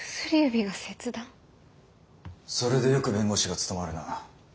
それでよく弁護士が務まるな。